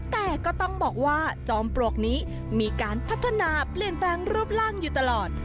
แต่ก็ต้องบอกว่าจอมปลวกนี้มีการพัฒนาเปลี่ยนแปลงรูปร่างอยู่ตลอด